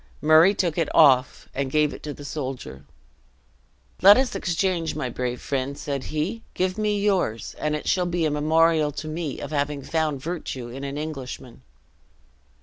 Murray took it off, and gave it to the soldier. "Let us exchange, my brave friend!" said he; "give me yours, and it shall be a memorial to me of having found virtue in an Englishman."